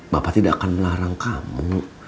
bapak tidak akan melarang kamu